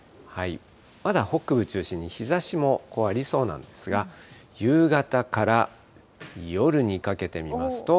まだ北部中心に日ざしもありそうなんですが、夕方から夜にかけて見ますと。